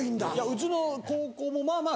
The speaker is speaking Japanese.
うちの高校もまぁまぁ